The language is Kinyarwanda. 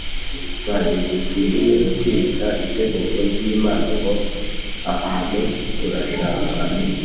B Ntidukwiriye kwica itegeko ry Imana ngo aha turashaka